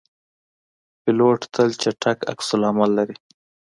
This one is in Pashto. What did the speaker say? پیلوټ تل چټک عکس العمل لري.